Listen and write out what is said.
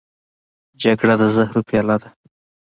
جګړه د زهرو پیاله ده